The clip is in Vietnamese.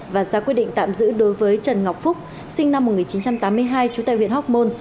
và ra quyết định tạm giữ đối với trần ngọc phúc sinh năm một nghìn chín trăm tám mươi hai trú tại huyện hóc môn